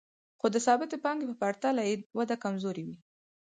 خو د ثابتې پانګې په پرتله یې وده کمزورې وي